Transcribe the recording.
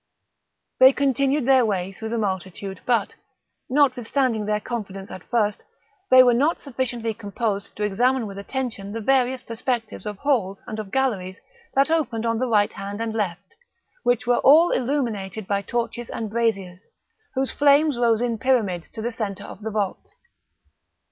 They continued their way through the multitude but, notwithstanding their confidence at first, they were not sufficiently composed to examine with attention the various perspectives of halls and of galleries that opened on the right hand and left, which were all illuminated by torches and braziers, whose flames rose in pyramids to the centre of the vault.